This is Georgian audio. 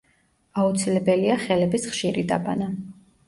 აუცილებელია ხელების ხშირი დაბანა.